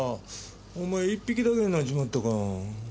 お前１匹だけになっちまったか。